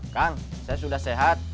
kang saya sudah sehat